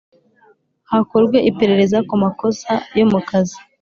hakorwe iperereza ku makosa yo mu kazi